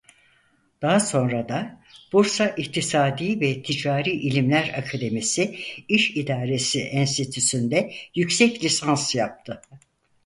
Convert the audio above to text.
Daha sonra da Bursa İktisadi ve Ticari İlimler Akademisi İş İdaresi Enstitüsü'nde yüksek lisans yaptı.